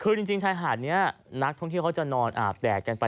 คือจริงชายหาดนี้นักท่องเที่ยวเขาจะนอนอาบแดดกันไป